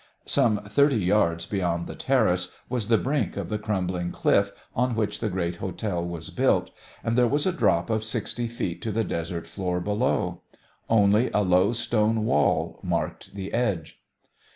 Some thirty yards beyond the terrace was the brink of the crumbling cliff on which the great hotel was built, and there was a drop of sixty feet to the desert floor below. Only a low stone wall marked the edge.